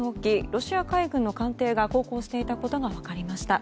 ロシア海軍の艦艇が航行していたことが分かりました。